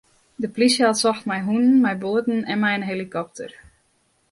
De plysje hat socht mei hûnen, mei boaten en mei in helikopter.